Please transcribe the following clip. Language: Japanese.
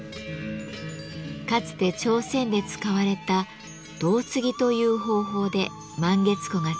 かつて朝鮮で使われた「胴継ぎ」という方法で満月壺が作られていきます。